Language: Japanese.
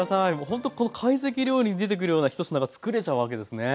ほんとこの懐石料理に出てくるようなひと品が作れちゃうわけですね。